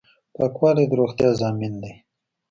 پاکوالی د روغتیا ضامن دی.